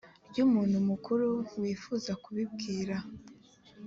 ry umuntu mukuru wifuza kubibwira